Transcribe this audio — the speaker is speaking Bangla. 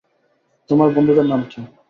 তোমার বন্ধুদের নাম কী?